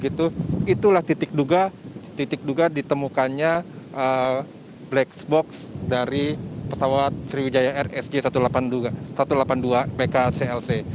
itulah titik duga ditemukannya black box dari pesawat sriwijaya rsj satu ratus delapan puluh dua pkclc